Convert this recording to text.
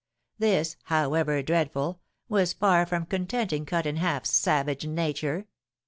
This, however dreadful, was far from contenting Cut in Half's savage nature.